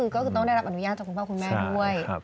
ก็ได้รับอนุญาตจากคุณพ่อคุณแม่ด้วย